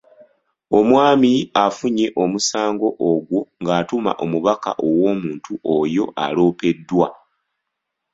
Omwami afunye omusango ogwo ng’atuma omubaka ew’omuntu oyo aloopeddwa.